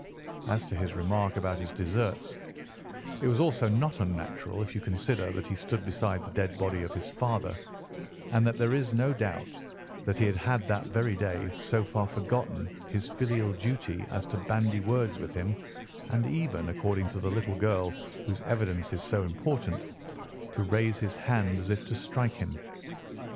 As to his remark about his deserts, it was also not unnatural if you consider that he stood beside the dead body of his father, and that there is no doubt that he had that very day so far forgotten his filial duty as to bandy words with him, and even, according to the little girl whose evidence is so important, to raise his hand as if to strike him.